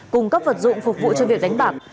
cung cấp vật dụng phục vụ cho việc đánh bạc